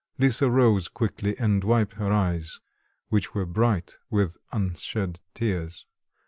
Lisa rose quickly and wiped her eyes, which were bright with unshed tears.